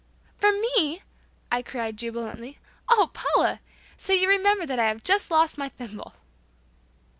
"For me," I cried, jubilantly, "oh, Paula! So you remembered that I have just lost my thimble."